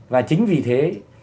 và chính vì thế